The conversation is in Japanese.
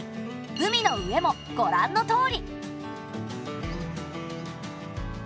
海の上もごらんのとおり。